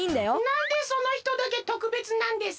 なんでそのひとだけとくべつなんですか？